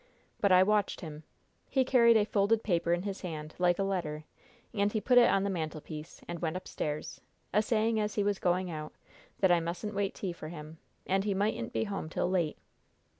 But I watched him. He carried a folded paper in his hand, like a letter, and he put it on the mantelpiece, and went upstairs, a saying as he was going out; that I mustn't wait tea for him, as he mightn't be home till late.